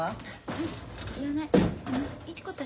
うん。